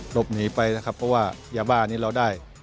หลบหนีไปนะครับเพราะว่ายาบ้านี้เราได้